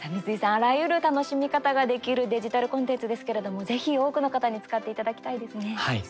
あらゆる楽しみ方ができるデジタルコンテンツですけれどもぜひ多くの方にはい、そうですね。